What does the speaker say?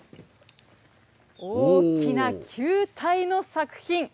大きな球体の作品。